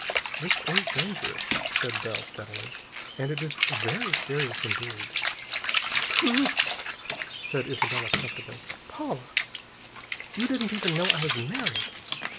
"This is dangerous," said Bell, steadily, "and it is very serious indeed." "Pooh!" said Isabella comfortably. "Paula, you didn't even know I was married!